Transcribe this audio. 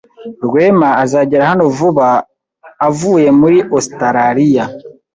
Rwema azagera hano vuba avuye muri Ositaraliya.